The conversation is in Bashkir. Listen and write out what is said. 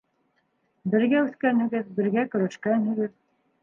— Бергә үҫкәнһегеҙ, бергә көрәшкәнһегеҙ.